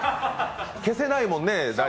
消せないもんね。